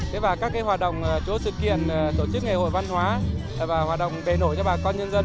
thế và các hoạt động chỗ sự kiện tổ chức ngày hội văn hóa và hoạt động bề nổi cho bà con nhân dân